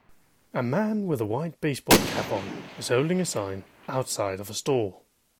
A man with a white baseball cap on is holding a sign outside of a store